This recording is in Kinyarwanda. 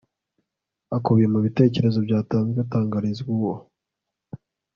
akubiye mu bitekerezo byatanzwe atangarizwa uwo